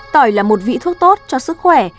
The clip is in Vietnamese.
tỏi là một vị thuốc tốt cho sức khỏe